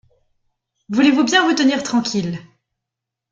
Voulez-vous bien vous tenir tranquille…